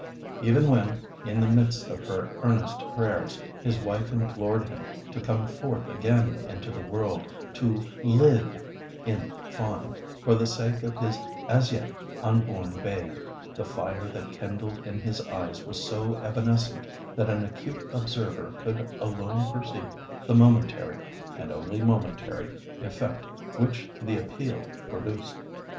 Even when, in the midst of her earnest prayers, his wife implored him to come forth again into the world—to live, in fine, for the sake of his as yet unborn babe, the fire that kindled in his eyes was so evanescent that an acute observer could alone perceive the momentary—and only momentary—effect which the appeal produced.